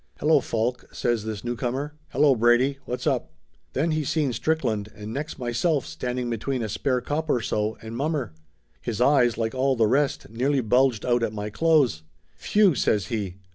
"Hello, Faulk !" says this newcomer. "Hello, Brady. What's up ?" Then he seen Strickland, and next my self, standing between a spare cop or so, and mommer. His eyes like all the rest, nearly bulged out at my clothes. "Phew!" says he.